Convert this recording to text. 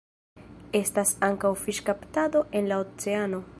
Estas ankaŭ fiŝkaptado en la oceano.